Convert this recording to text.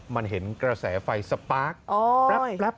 มันเห็นกระแสไฟสปาร์คแป๊บ